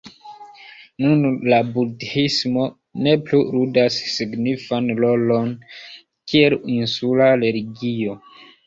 Nun la budhismo ne plu ludas signifan rolon kiel insula religio.